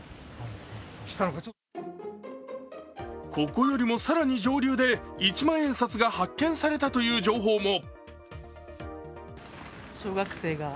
ここよりも更に上流で一万円札が発見されたという情報も。